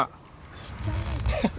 ちっちゃい。